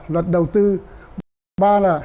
luật đầu tư ba là